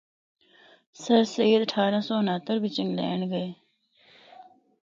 سرسید اٹھارہ سو اُنہتر بچ انگلینڈ گئے۔